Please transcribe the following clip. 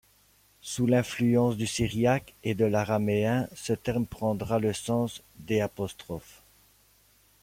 Sous l'influence du syriaque et de l’araméen, ce terme prendra le sens d'.